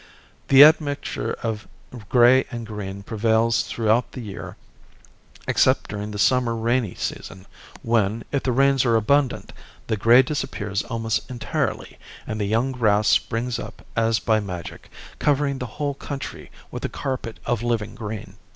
The admixture of gray and green prevails throughout the year except during the summer rainy season, when, if the rains are abundant, the gray disappears almost entirely, and the young grass springs up as by magic, covering the whole country with a carpet of living green.